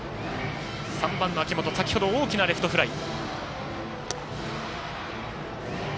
３番の秋元、先ほど大きなレフトフライ。